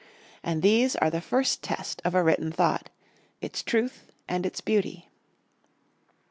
And these are the first test of a written thought its truth and its beauty.